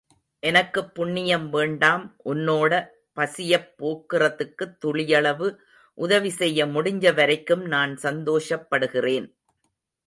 எனக்குப் புண்ணியம் வேண்டாம் உன்னோட பசியைப் போக்குறதுக்குத் துளியளவு உதவிசெய்ய முடிஞ்ச வரைக்கும் நான் சந்தோஷப்படுகிறேன்.